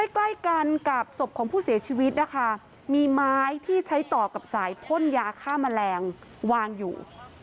ใกล้กันกับศพของผู้เสียชีวิตนะคะมีไม้ที่ใช้ต่อกับสายพ่นยาฆ่าแมลงวางอยู่